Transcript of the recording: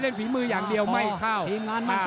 หรือว่าผู้สุดท้ายมีสิงคลอยวิทยาหมูสะพานใหม่